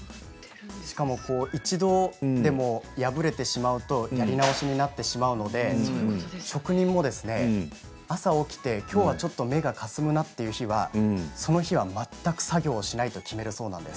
一度でも破れてしまうとやり直しになってしまうので職人も朝起きて、きょうはちょっと目がかすむなという日はその日は全く作業しないと決めるそうなんです。